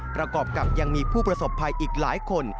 ประกอบกับยังมีผู้ประสบภัยอีกหลายคน